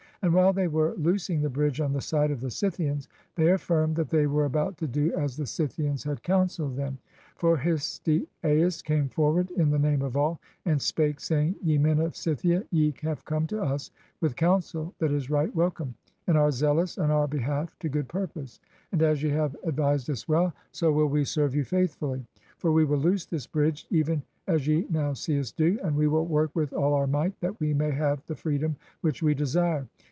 And while they were loosing the bridge on the side of the Scythians they affirmed that they were about to do as the Scythians had counseled them. For Histiaeus came forward in the name of all, and spake, saying, " Ye men of Scythia, ye have come to us with counsel that is right welcome, and are zealous on our behalf to good purpose. And as ye have advised us well, so will we serve you faithfully. For we will loose this bridge, even as ye now see us do, and we will work with all our might that we may have the freedom which we desire.